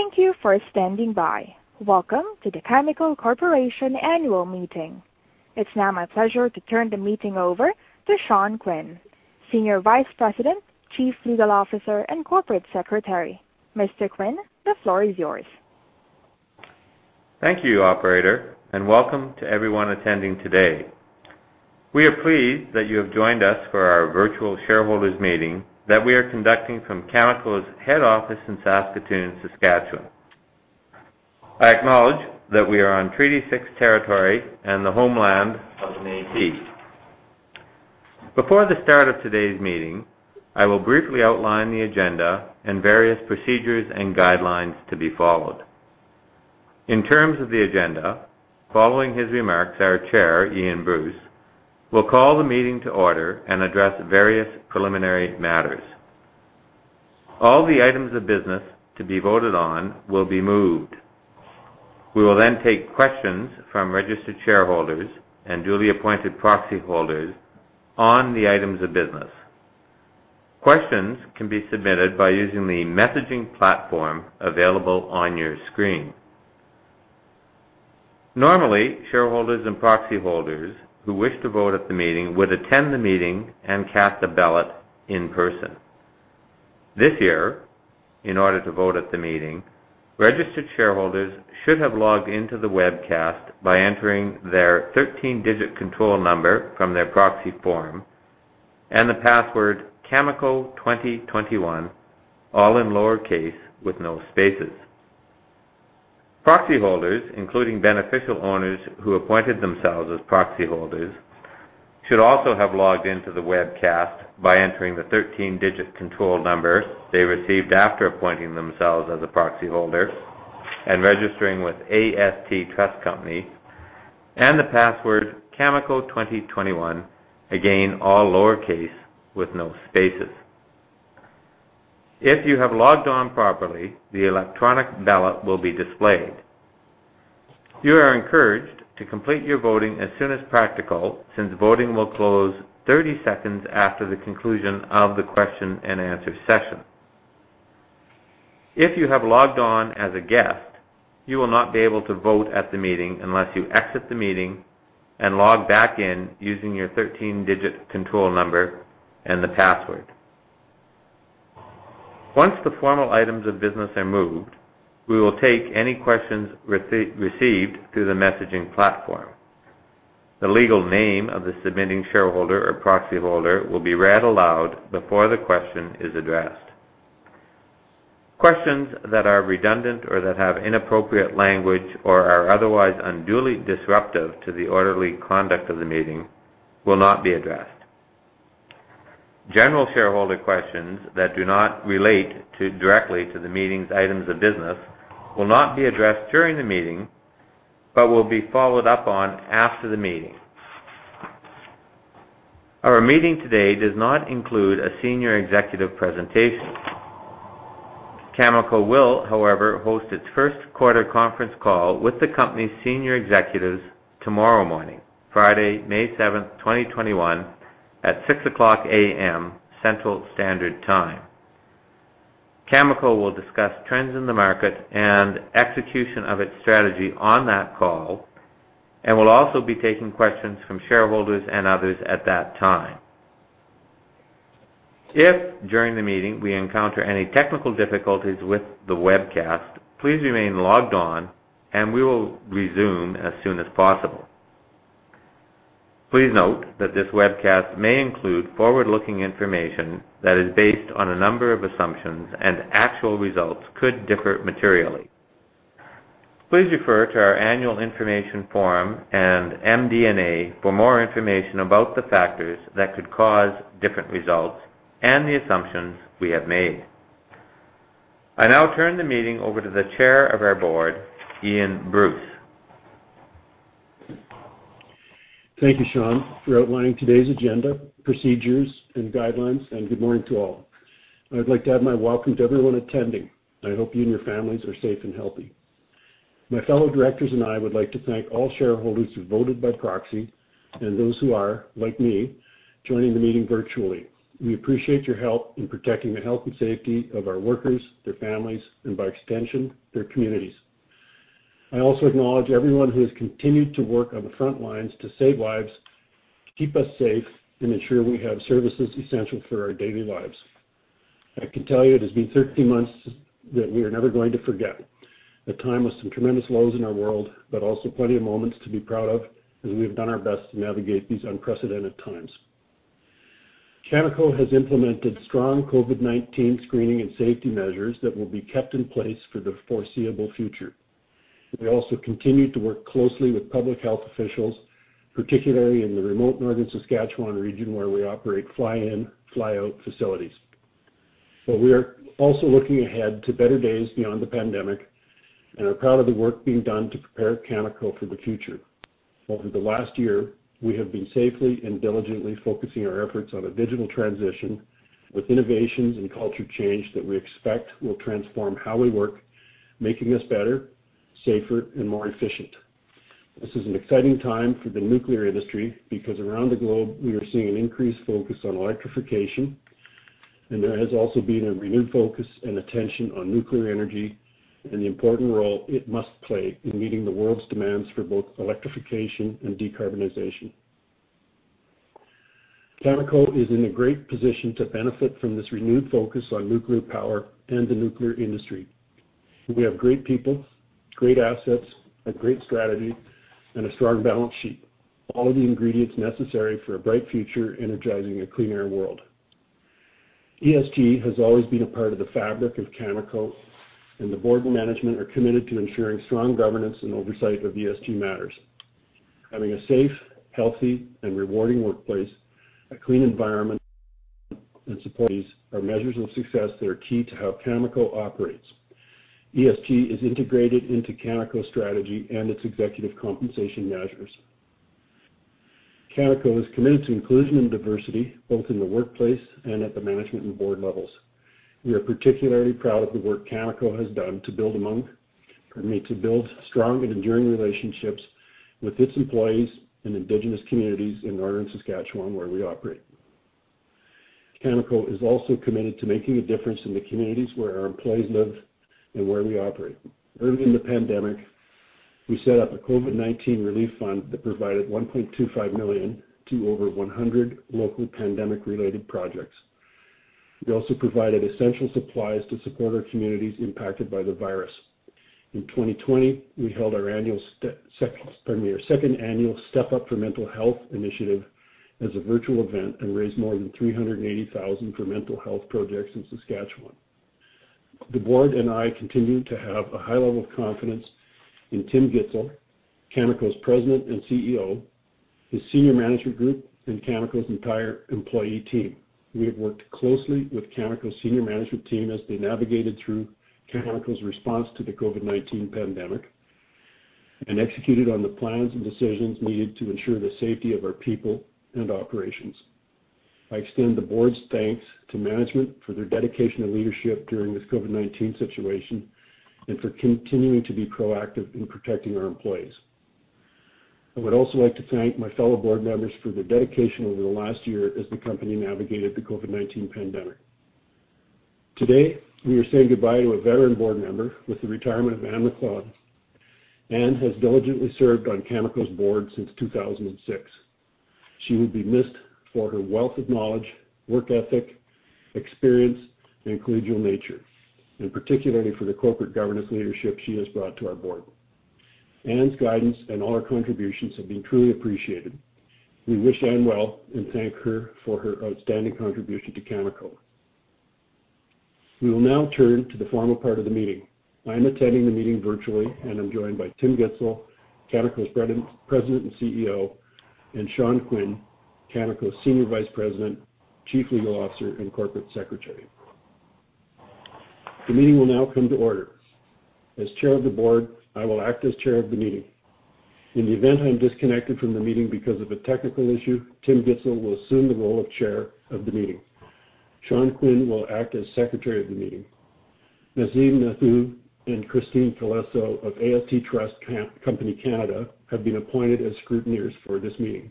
Thank you for standing by. Welcome to the Cameco Corporation annual meeting. It's now my pleasure to turn the meeting over to Sean Quinn, Senior Vice President, Chief Legal Officer, and Corporate Secretary. Mr. Quinn, the floor is yours. Thank you, operator, and welcome to everyone attending today. We are pleased that you have joined us for our virtual shareholders' meeting that we are conducting from Cameco's head office in Saskatoon, Saskatchewan. I acknowledge that we are on Treaty 6 territory and the homeland of the Métis. Before the start of today's meeting, I will briefly outline the agenda and various procedures and guidelines to be followed. In terms of the agenda, following his remarks, our Chair, Ian Bruce, will call the meeting to order and address various preliminary matters. All the items of business to be voted on will be moved. We will then take questions from registered shareholders and duly appointed proxyholders on the items of business. Questions can be submitted by using the messaging platform available on your screen. Normally, shareholders and proxyholders who wish to vote at the meeting would attend the meeting and cast a ballot in person. This year, in order to vote at the meeting, registered shareholders should have logged into the webcast by entering their 13-digit control number from their proxy form and the password "cameco2021," all in lowercase with no spaces. Proxyholders, including beneficial owners who appointed themselves as proxyholders, should also have logged into the webcast by entering the 13-digit control numbers they received after appointing themselves as a proxyholder and registering with AST Trust Company and the password "cameco2021." Again, all lowercase with no spaces. If you have logged on properly, the electronic ballot will be displayed. You are encouraged to complete your voting as soon as practical, since voting will close 30 seconds after the conclusion of the question-and-answer session. If you have logged on as a guest, you will not be able to vote at the meeting unless you exit the meeting and log back in using your 13-digit control number and the password. Once the formal items of business are moved, we will take any questions received through the messaging platform. The legal name of the submitting shareholder or proxyholder will be read aloud before the question is addressed. Questions that are redundant or that have inappropriate language or are otherwise unduly disruptive to the orderly conduct of the meeting will not be addressed. General shareholder questions that do not relate directly to the meeting's items of business will not be addressed during the meeting but will be followed up on after the meeting. Our meeting today does not include a senior executive presentation. Cameco will, however, host its first-quarter conference call with the company's senior executives tomorrow morning, Friday, May 7th, 2021, at 6:00 A.M. Central Standard Time. Cameco will discuss trends in the market and execution of its strategy on that call and will also be taking questions from shareholders and others at that time. If during the meeting we encounter any technical difficulties with the webcast, please remain logged on, and we will resume as soon as possible. Please note that this webcast may include forward-looking information that is based on a number of assumptions, and actual results could differ materially. Please refer to our annual information form and MD&A for more information about the factors that could cause different results and the assumptions we have made. I now turn the meeting over to the Chair of our Board, Ian Bruce. Thank you, Sean, for outlining today's agenda, procedures, and guidelines. Good morning to all. I'd like to add my welcome to everyone attending. I hope you and your families are safe and healthy. My fellow directors and I would like to thank all shareholders who voted by proxy and those who are, like me, joining the meeting virtually. We appreciate your help in protecting the health and safety of our workers, their families, and by extension, their communities. I also acknowledge everyone who has continued to work on the front lines to save lives, keep us safe, and ensure we have services essential for our daily lives. I can tell you it has been 13 months that we are never going to forget. A time with some tremendous lows in our world, but also plenty of moments to be proud of as we've done our best to navigate these unprecedented times. Cameco has implemented strong COVID-19 screening and safety measures that will be kept in place for the foreseeable future. We also continue to work closely with public health officials, particularly in the remote northern Saskatchewan region where we operate fly-in, fly-out facilities. We are also looking ahead to better days beyond the pandemic and are proud of the work being done to prepare Cameco for the future. Over the last year, we have been safely and diligently focusing our efforts on a digital transition with innovations and culture change that we expect will transform how we work, making us better, safer, and more efficient. This is an exciting time for the nuclear industry because around the globe we are seeing an increased focus on electrification. There has also been a renewed focus and attention on nuclear energy and the important role it must play in meeting the world's demands for both electrification and decarbonization. Cameco is in a great position to benefit from this renewed focus on nuclear power and the nuclear industry. We have great people, great assets, a great strategy, and a strong balance sheet. All of the ingredients necessary for a bright future energizing a cleaner world. ESG has always been a part of the fabric of Cameco, and the board and management are committed to ensuring strong governance and oversight of ESG matters. Having a safe, healthy and rewarding workplace, a clean environment, and support are measures of success that are key to how Cameco operates. ESG is integrated into Cameco's strategy and its executive compensation measures. Cameco is committed to inclusion and diversity, both in the workplace and at the management and board levels. We are particularly proud of the work Cameco has done to build strong and enduring relationships with its employees and Indigenous communities in northern Saskatchewan, where we operate. Cameco is also committed to making a difference in the communities where our employees live and where we operate. Early in the pandemic, we set up a COVID-19 relief fund that provided 1.25 million to over 100 local pandemic related projects. We also provided essential supplies to support our communities impacted by the virus. In 2020, we held our second annual Step Up for Mental Health initiative as a virtual event and raised more than 380,000 for mental health projects in Saskatchewan. The board and I continue to have a high level of confidence in Tim Gitzel, Cameco's President and CEO, his senior management group, and Cameco's entire employee team. We have worked closely with Cameco's senior management team as they navigated through Cameco's response to the COVID-19 pandemic and executed on the plans and decisions needed to ensure the safety of our people and operations. I extend the board's thanks to management for their dedication and leadership during this COVID-19 situation, and for continuing to be proactive in protecting our employees. I would also like to thank my fellow board members for their dedication over the last year as the company navigated the COVID-19 pandemic. Today, we are saying goodbye to a veteran board member with the retirement of Anne McLellan. Anne has diligently served on Cameco's board since 2006. She will be missed for her wealth of knowledge, work ethic, experience, and collegial nature, and particularly for the corporate governance leadership she has brought to our board. Anne's guidance and all her contributions have been truly appreciated. We wish Anne well and thank her for her outstanding contribution to Cameco. We will now turn to the formal part of the meeting. I am attending the meeting virtually, and I'm joined by Tim Gitzel, Cameco's President and CEO, and Sean Quinn, Cameco's Senior Vice President, Chief Legal Officer, and Corporate Secretary. The meeting will now come to order. As chair of the board, I will act as chair of the meeting. In the event I'm disconnected from the meeting because of a technical issue, Tim Gitzel will assume the role of chair of the meeting. Sean Quinn will act as secretary of the meeting. Nizam Nathoo and Christine Falesso of AST Trust Company of Canada have been appointed as scrutineers for this meeting.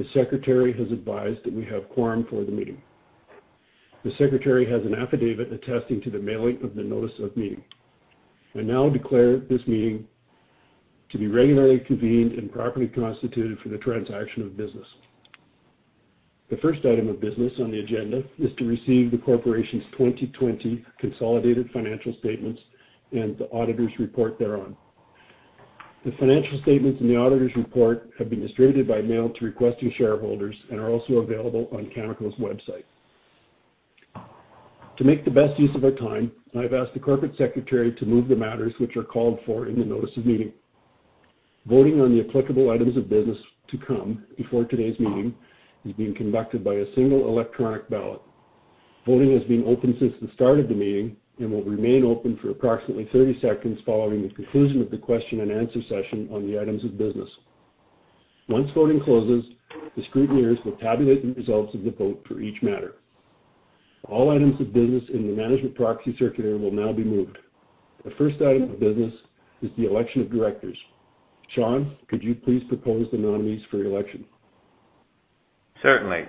The secretary has advised that we have quorum for the meeting. The secretary has an affidavit attesting to the mailing of the notice of meeting. I now declare this meeting to be regularly convened and properly constituted for the transaction of business. The first item of business on the agenda is to receive the corporation's 2020 consolidated financial statements and the auditor's report thereon. The financial statements and the auditor's report have been distributed by mail to requesting shareholders and are also available on cameco.com. To make the best use of our time, I've asked the Corporate Secretary to move the matters which are called for in the notice of meeting. Voting on the applicable items of business to come before today's meeting is being conducted by a single electronic ballot. Voting has been open since the start of the meeting and will remain open for approximately 30 seconds following the conclusion of the question-and-answer session on the items of business. Once voting closes, the scrutineers will tabulate the results of the vote for each matter. All items of business in the management proxy circular will now be moved. The first item of business is the election of directors. Sean, could you please propose the nominees for election? Certainly.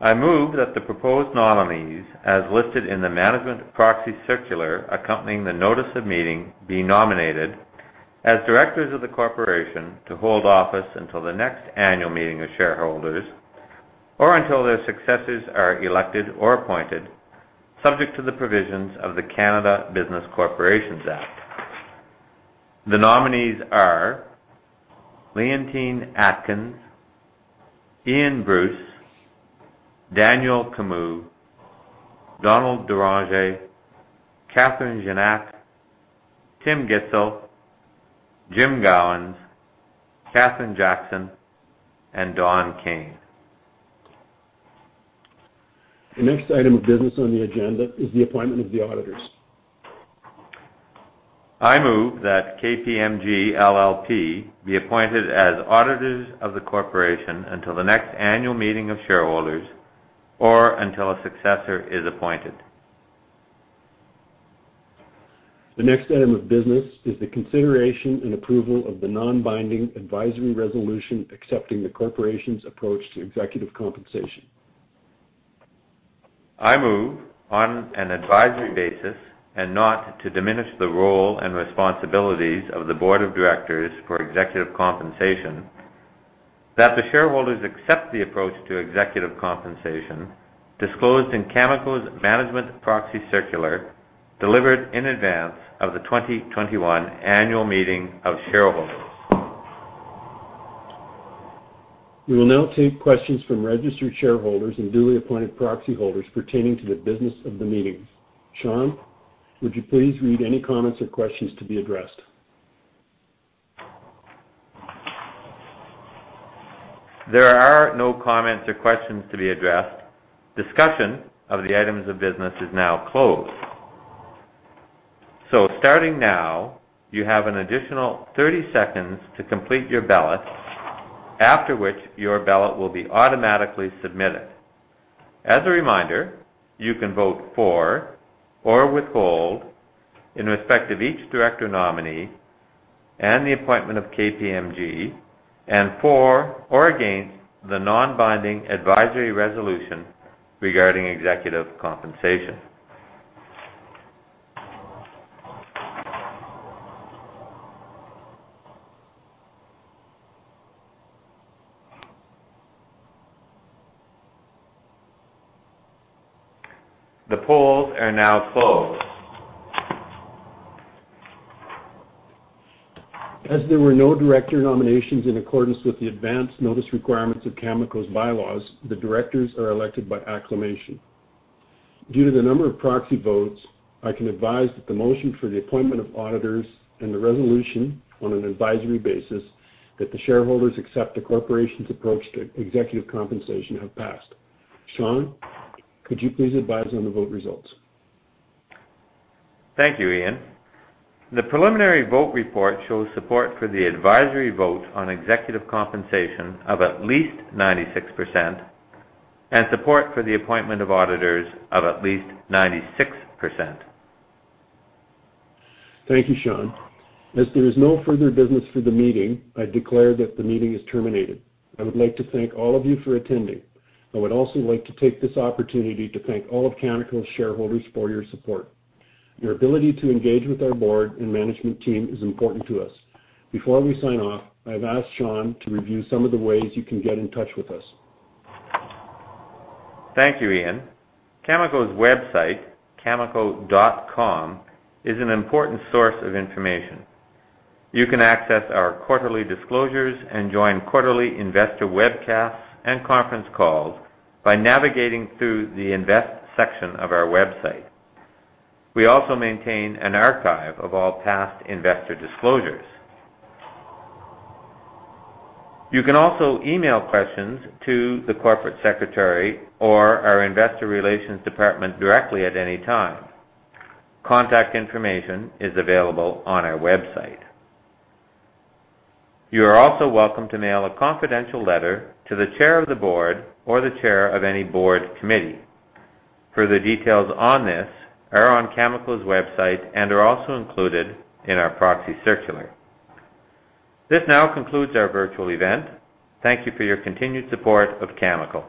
I move that the proposed nominees, as listed in the management proxy circular accompanying the notice of meeting, be nominated as directors of the corporation to hold office until the next annual meeting of shareholders, or until their successors are elected or appointed, subject to the provisions of the Canada Business Corporations Act. The nominees are Leontine Atkins, Ian Bruce, Daniel Camus, Donald Deranger, Catherine Gignac, Tim Gitzel, Jim Gowans, Kathryn Jackson, and Don Kayne. The next item of business on the agenda is the appointment of the auditors. I move that KPMG LLP be appointed as auditors of the corporation until the next annual meeting of shareholders, or until a successor is appointed. The next item of business is the consideration and approval of the non-binding advisory resolution accepting the corporation's approach to executive compensation. I move on an advisory basis and not to diminish the role and responsibilities of the board of directors for executive compensation, that the shareholders accept the approach to executive compensation disclosed in Cameco's management proxy circular, delivered in advance of the 2021 annual meeting of shareholders. We will now take questions from registered shareholders and duly appointed proxy holders pertaining to the business of the meeting. Sean, would you please read any comments or questions to be addressed? There are no comments or questions to be addressed. Discussion of the items of business is now closed. Starting now, you have an additional 30 seconds to complete your ballot, after which your ballot will be automatically submitted. As a reminder, you can vote for or withhold in respect of each director nominee and the appointment of KPMG, and for or against the non-binding advisory resolution regarding executive compensation. The polls are now closed. As there were no director nominations in accordance with the advance notice requirements of Cameco's bylaws, the directors are elected by acclamation. Due to the number of proxy votes, I can advise that the motion for the appointment of auditors and the resolution on an advisory basis that the shareholders accept the corporation's approach to executive compensation have passed. Sean, could you please advise on the vote results? Thank you, Ian. The preliminary vote report shows support for the advisory vote on executive compensation of at least 96%, and support for the appointment of auditors of at least 96%. Thank you, Sean. As there is no further business for the meeting, I declare that the meeting is terminated. I would like to thank all of you for attending. I would also like to take this opportunity to thank all of Cameco's shareholders for your support. Your ability to engage with our board and management team is important to us. Before we sign off, I've asked Sean to review some of the ways you can get in touch with us. Thank you, Ian. Cameco's website, cameco.com, is an important source of information. You can access our quarterly disclosures and join quarterly investor webcasts and conference calls by navigating through the invest section of our website. We also maintain an archive of all past investor disclosures. You can also email questions to the corporate secretary or our investor relations department directly at any time. Contact information is available on our website. You are also welcome to mail a confidential letter to the chair of the board or the chair of any board committee. Further details on this are on Cameco's website and are also included in our proxy circular. This now concludes our virtual event. Thank you for your continued support of Cameco.